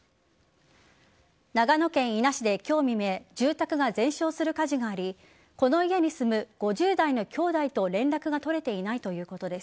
長野県伊那市で今日未明住宅が全焼する火事がありこの家に住む５０代の兄弟と連絡が取れていないということです。